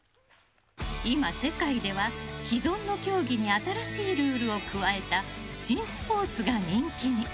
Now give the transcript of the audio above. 今、世界では既存の競技に新しいルールを加えた新スポーツが人気に。